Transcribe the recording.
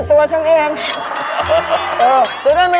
ไม่มีอะไรของเราเล่าส่วนฟังครับพี่